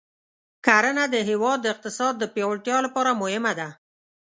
کرنه د هېواد د اقتصاد د پیاوړتیا لپاره مهمه ده.